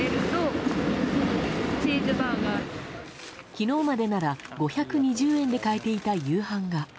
昨日までなら５２０円で買えていた夕飯が。